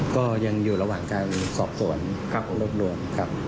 ก็ยังอยู่ระหว่างการสอบสวนครับรวบรวมครับ